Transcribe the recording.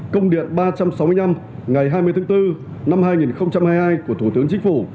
công điện ba trăm sáu mươi năm ngày hai mươi tháng bốn năm hai nghìn hai mươi hai của thủ tướng chính phủ